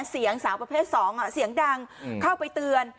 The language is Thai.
เสียงสาวประเภท๒เสียงดังเข้าไปเตือน